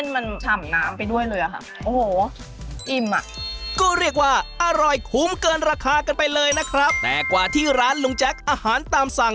มึงเข้ากันเส้นมันฉ่ำน้ำไปด้วยเลยค่ะ